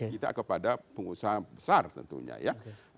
kita kepada pengusaha besar tentunya ya